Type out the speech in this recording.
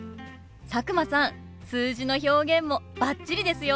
佐久間さん数字の表現もバッチリですよ。